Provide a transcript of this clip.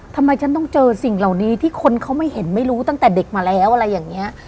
ทำไมฉันต้องเจอสิ่งเหล่านี้ที่คนเขาไม่เห็นไม่รู้ตั้งแต่เด็กมาแล้วอะไรอย่างนี้